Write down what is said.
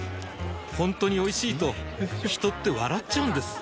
ほんとにおいしいと人って笑っちゃうんです